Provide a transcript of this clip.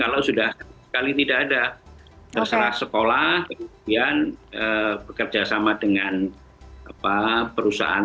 kalau sudah sekali tidak ada terserah sekolah kemudian bekerja sama dengan perusahaan